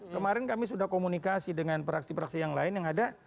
kemarin kami sudah komunikasi dengan praksi praksi yang lain yang ada